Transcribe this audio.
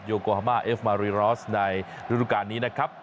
โกฮามาเอฟมารีรอสในฤดูการนี้นะครับ